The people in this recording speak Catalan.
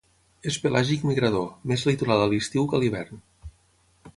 És pelàgic migrador, més litoral a l'estiu que a l'hivern.